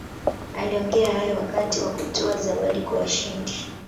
aliongea hayo wakati wa kutoa zawadi kwa washindi